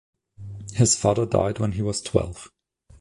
His father died when he was twelve.